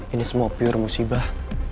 ini semua pure musibah